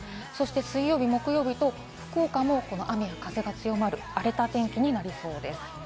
水曜日木曜日と福岡も雨や風が強まる、荒れた天気になりそうです。